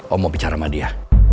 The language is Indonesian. om mau bicara sama dia